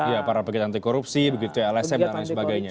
ya para pegiat anti korupsi begitu ya lsm dan lain sebagainya